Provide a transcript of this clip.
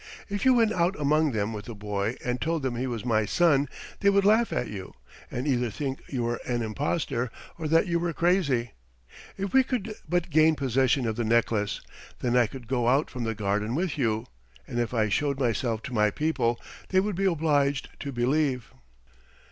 If you went out among them with the boy and told them he was my son, they would laugh at you, and either think you were an impostor or that you were crazy. If we could but gain possession of the necklace, then I could go out from the garden with you, and if I showed myself to my people they would be obliged to believe."